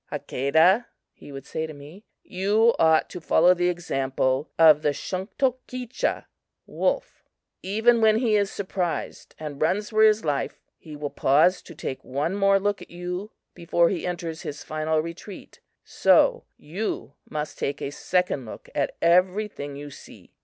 "Hakadah," he would say to me, "you ought to follow the example of the shunktokecha (wolf). Even when he is surprised and runs for his life, he will pause to take one more look at you before he enters his final retreat. So you must take a second look at everything you see.